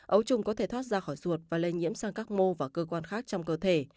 ấu trùng có thể thoát ra khỏi ruột và lây nhiễm sang các mô và cơ quan khác trong cơ thể